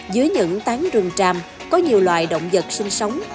dưới những tán rừng tràm có nhiều loài động vật sinh sống